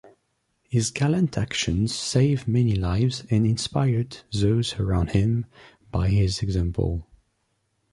His gallant actions saved many lives and inspired those around him by his example.